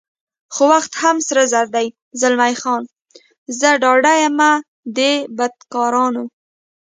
خو وخت هم سره زر دی، زلمی خان: زه ډاډه یم دې بدکارانو.